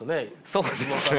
そうですね。